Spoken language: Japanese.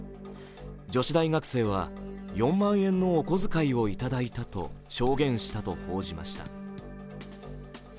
女子大学生は、４万円のお小遣いをいただいたと証言したと報じました。